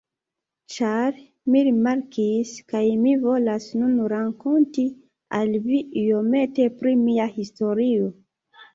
Ĉar mi rimarkis, kaj mi volas nun rakonti al vi iomete pri mia historio.